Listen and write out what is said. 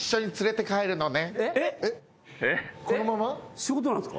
仕事なんすか？